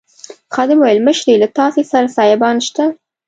خادم وویل مشرې له تاسي سره سایبان شته.